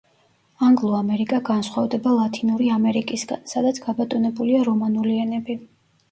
ანგლო-ამერიკა განსხვავდება ლათინური ამერიკისგან, სადაც გაბატონებულია რომანული ენები.